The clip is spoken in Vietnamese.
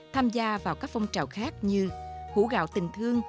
tham gia vào các phong trào khác như hủ gạo tình thương